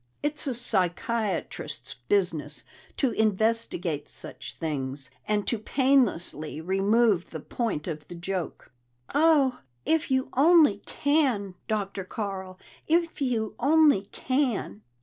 It's a psychiatrist's business to investigate such things, and to painlessly remove the point of the joke." "Oh, if you only can, Dr. Carl! If you only can!"